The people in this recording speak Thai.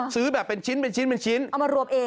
ซื้อแบบเป็นชิ้นเอามารวบเอก